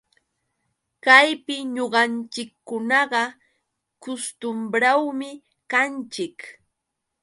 Kaypi ñuqanchikkunaqa kustumbrawmi kanchik